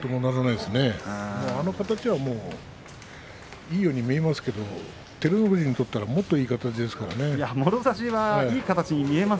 あの形がもう、いいように見えますけど照ノ富士にとったらもろ差しはいい形に見えます、